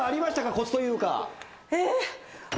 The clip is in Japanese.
コツというか。